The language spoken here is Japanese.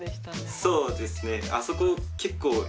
そうですねあそこ結構はい。